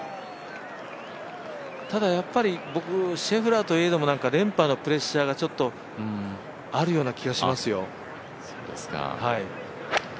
ただやっぱり、僕シェフラーといえども連覇のプレッシャーがちょっと、あるような気がしますよ。